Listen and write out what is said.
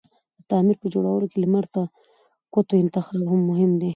د تعمير په جوړولو کی لمر ته کوتو انتخاب مهم دی